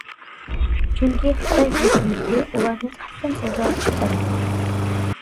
چۈنكى خىتاي ھۆكۈمىتى ئۇلارنى قەستەن ئۇزارتىپ بەرمەيدۇ.